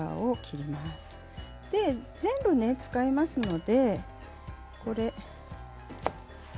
全部使いますので。